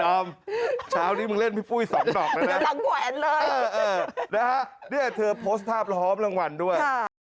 ดอมเช้านี้มึงเล่นพี่ฟุ้ย๒ดอกเลยนะนะฮะเธอโพสต์ภาพร้อมรางวัลด้วย